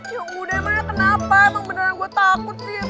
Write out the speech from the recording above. ya udah emang kenapa emang beneran gue takut sih